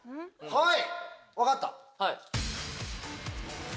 はい。